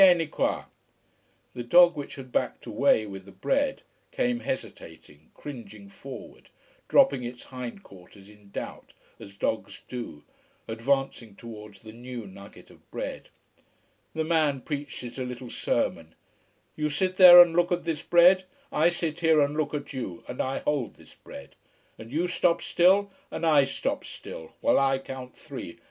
Vieni qua!" The dog, which had backed away with the bread, came hesitating, cringing forward, dropping its hind quarters in doubt, as dogs do, advancing towards the new nugget of bread. The man preached it a little sermon. "You sit there and look at this bread. I sit here and look at you, and I hold this bread. And you stop still, and I stop still, while I count three.